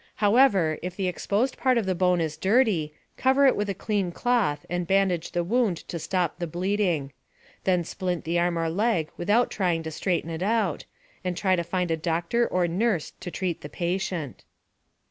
However, if the exposed part of the bone is dirty, cover it with a clean cloth and bandage the wound to stop the bleeding. Then splint the arm or leg without trying to straighten it out, and try to find a doctor or nurse to treat the patient.